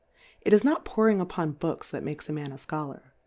It is not peering upon Books that makes a Man V v^liolar.